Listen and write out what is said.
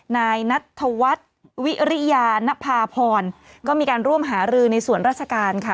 นายนัทธวัฒน์วิริยานภาพรก็มีการร่วมหารือในส่วนราชการค่ะ